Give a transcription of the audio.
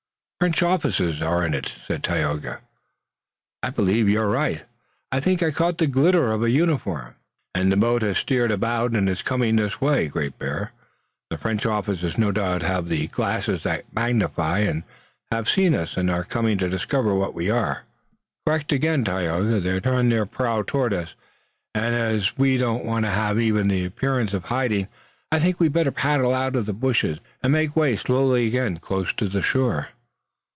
"French officers are in it," said Tayoga. "I believe you are right, boy. I think I caught the glitter of a uniform." "And the boat has steered about and is coming this way, Great Bear. The French officers no doubt have the glasses that magnify, and, having seen us, are coming to discover what we are." "Correct again, Tayoga. They've turned their prow toward us, and, as we don't want to have even the appearance of hiding, I think we'd better paddle out of the bushes and make way slowly again close to the shore."